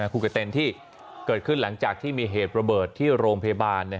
ครูกะเต็นที่เกิดขึ้นหลังจากที่มีเหตุระเบิดที่โรงพยาบาล